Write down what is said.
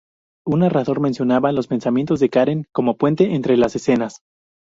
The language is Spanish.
Un narrador mencionaba los pensamientos de Karen como puente entre las escenas.